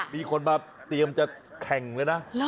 มีคนมาเตรียมจะแข่งเลยนะ